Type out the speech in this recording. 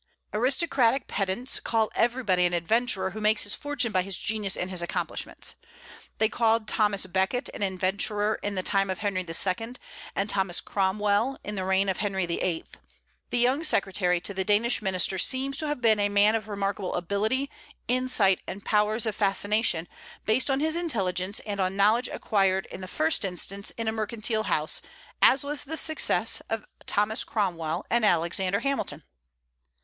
Aristocratic pedants call everybody an adventurer who makes his fortune by his genius and his accomplishments. They called Thomas Becket an adventurer in the time of Henry II., and Thomas Cromwell in the reign of Henry VIII. The young secretary to the Danish minister seems to have been a man of remarkable ability, insight, and powers of fascination, based on his intelligence and on knowledge acquired in the first instance in a mercantile house, as was the success of Thomas Cromwell and Alexander Hamilton.